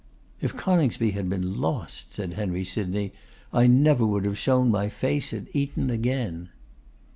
'If Coningsby had been lost,' said Henry Sydney, 'I never would have shown my face at Eton again.